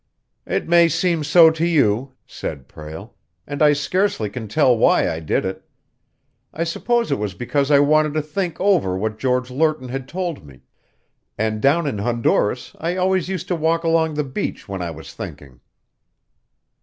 "It may seem so to you," said Prale, "and I scarcely can tell why I did it. I suppose it was because I wanted to think over what George Lerton had told me, and down in Honduras I always used to walk along the beach when I was thinking."